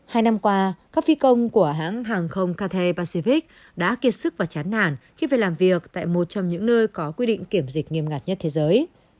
hai năm qua các phi công của hãng hàng không cathe pacivic đã kiệt sức và chán nản khi về làm việc tại một trong những nơi có quy định kiểm dịch nghiêm ngặt nhất thế giới